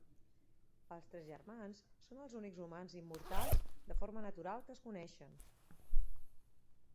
Els tres germans són els únics humans immortals de forma natural que es coneixen.